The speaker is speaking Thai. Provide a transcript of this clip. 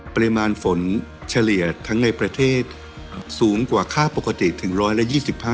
ปริมาณฝนเฉลี่ยทั้งในประเทศสูงกว่าค่าปกติถึง๑๒๕